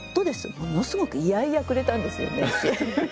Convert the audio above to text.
ものすごく嫌々くれたんですよ名刺。